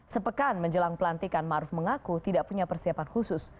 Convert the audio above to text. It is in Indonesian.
sepekan menjelang pelantikan maruf mengaku tidak punya persiapan khusus